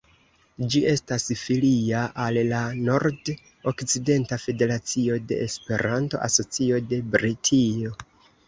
Ĝi estas filia al la Nord-Okcidenta Federacio de Esperanto-Asocio de Britio.